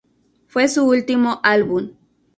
Fue su último álbum.